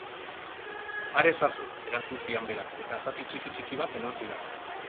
Har ezazu, erantzun zian berak, eta zati txiki-txiki bat eman zidaan.